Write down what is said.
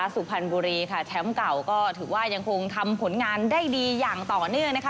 สุพรรณบุรีค่ะแชมป์เก่าก็ถือว่ายังคงทำผลงานได้ดีอย่างต่อเนื่องนะคะ